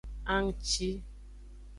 Anngci.